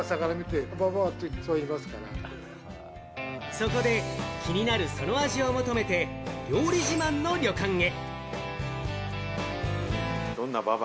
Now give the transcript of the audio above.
そこで気になるその味を求めて料理自慢の旅館へ。